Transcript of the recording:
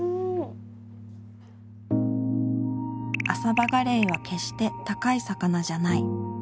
アサバガレイは決して高い魚じゃない。